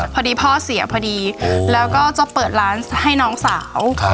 พอดีพ่อเสียพอดีแล้วก็จะเปิดร้านให้น้องสาว